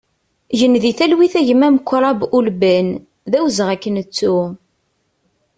Gen di talwit a gma Mukrab Ulban, d awezɣi ad k-nettu!